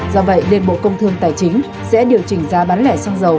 do vậy liên bộ công thương tài chính sẽ điều chỉnh giá bán lẻ xăng dầu